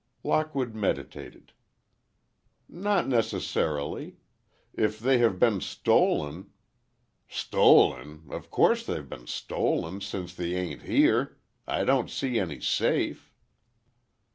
Lockwood meditated. "Not necessarily. If they have been stolen—" "Stolen! Of course they've been stolen, since they aren't here! I don't see any safe."